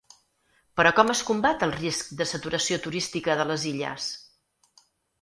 Però com es combat el risc de saturació turística de les Illes?